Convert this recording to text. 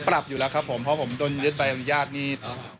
ปรับอยู่แล้วครับผมเพราะผมโดนยึดใบอนุญาตนี่